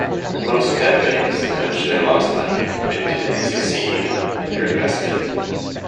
Most pet banks eventually lost money and didn't succeed in their investments.